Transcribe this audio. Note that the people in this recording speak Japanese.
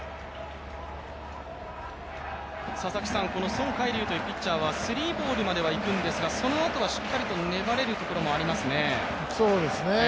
ソン・カイリュウというピッチャーはスリーボールまではいくんですがそのあとはしっかりと粘れるところもありますね。